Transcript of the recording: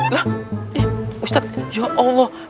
lah eh ustadz ya allah